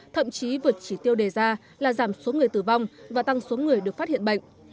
thậm chí vượt chỉ tiêu đề ra là giảm số người tử vong và tăng số người được phát hiện bệnh